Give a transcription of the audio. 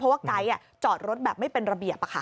เพราะว่าไก๊จอดรถแบบไม่เป็นระเบียบ